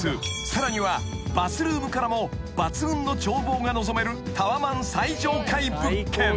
さらにはバスルームからも抜群の眺望が望めるタワマン最上階物件］